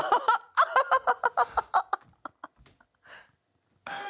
アハハハ！